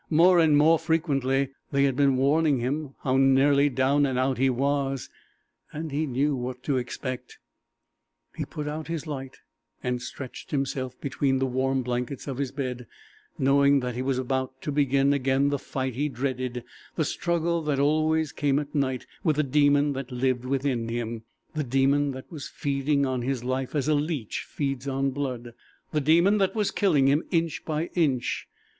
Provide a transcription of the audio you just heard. More and more frequently they had been warning him how nearly down and out he was, and he knew what to expect. He put out his light and stretched himself between the warm blankets of his bed, knowing that he was about to begin again the fight he dreaded the struggle that always came at night with the demon that lived within him, the demon that was feeding on his life as a leech feeds on blood, the demon that was killing him inch by inch.